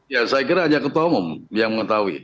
ya saya kira hanya ketua umum yang mengetahui